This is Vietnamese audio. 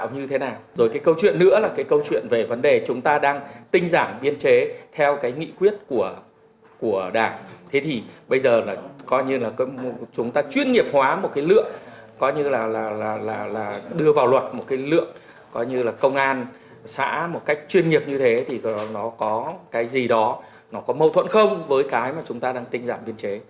nếu chúng ta đặt một cái lượng công an xã một cách chuyên nghiệp như thế thì nó có cái gì đó nó có mâu thuẫn không với cái mà chúng ta đang tinh giảm biên chế